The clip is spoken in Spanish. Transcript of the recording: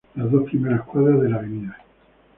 Las dos últimas cuadras de la Av.